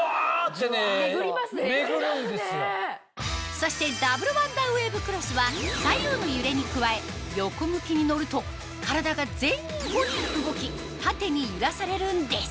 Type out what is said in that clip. そしてダブルワンダーウェーブクロスは左右の揺れに加え横向きに乗ると体が前後に動き縦に揺らされるんです